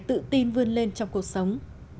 tự tin vươn lên trong cuộc sống